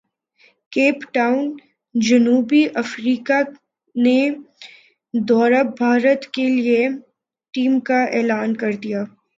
cap Town جنوبی افریقہ نے دورہ بھارت کیلئے ٹیم کا اعلان کردیا